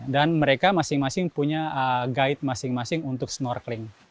dan mereka masing masing punya guide masing masing untuk snorkeling